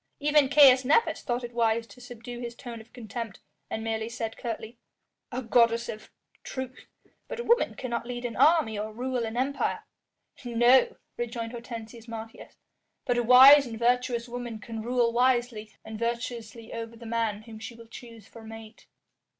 Even Caius Nepos thought it wise to subdue his tone of contempt, and merely said curtly: "A goddess of a truth, but a woman cannot lead an army or rule an empire." "No," rejoined Hortensius Martius, "but a wise and virtuous woman can rule wisely and virtuously over the man whom she will choose for mate."